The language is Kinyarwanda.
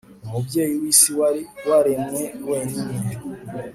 umubyeyi w'isi wari waremwe wenyine